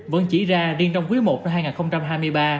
vẫn chỉ ra riêng trong quý i năm hai nghìn hai mươi ba